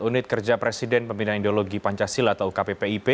unit kerja presiden pembinaan ideologi pancasila atau kppip